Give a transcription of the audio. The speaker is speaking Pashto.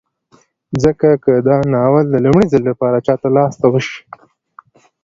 ځکه که دا ناول د لومړي ځل لپاره چاته لاس ته وشي